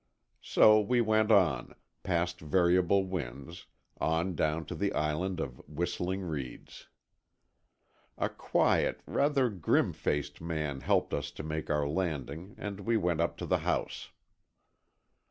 So we went on, past Variable Winds, on down to the Island of Whistling Reeds. A quiet, rather grim faced man helped us to make our landing and we went up to the house.